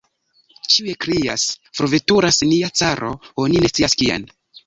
Ĉiuj krias: "forveturas nia caro, oni ne scias kien!"